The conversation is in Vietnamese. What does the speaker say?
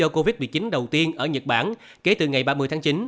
đây sẽ là tuyên bố tình trạng đầu tiên ở nhật bản kể từ ngày ba mươi tháng chín